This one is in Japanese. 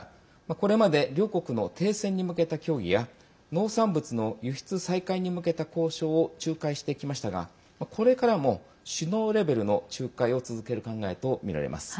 これまで両国の停戦に向けた協議や農産物の輸出再開に向けた交渉を仲介してきましたがこれからも、首脳レベルの仲介を続ける考えとみられます。